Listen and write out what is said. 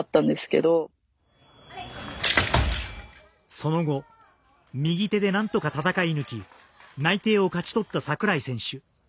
その後右手で何とか戦い抜き内定を勝ち取った櫻井選手。